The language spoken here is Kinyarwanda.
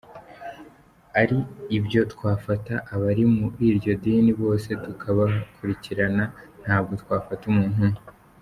Ari ibyo twafata abari muri iryo dini bose tukabakurikirana, ntabwo twafata umuntu umwe.